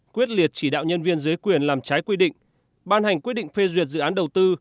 quyết liệt chỉ đạo nhân viên dưới quyền làm trái quy định ban hành quyết định phê duyệt dự án đầu tư